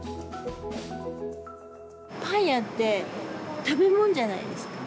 パン屋って食べ物じゃないですか。